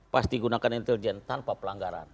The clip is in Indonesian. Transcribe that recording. pasti gunakan intelijen tanpa pelanggaran